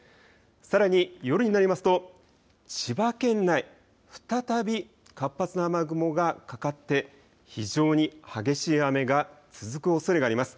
さらに夜になりますと千葉県内、再び活発な雨雲がかかって非常に激しい雨が続くおそれがあります。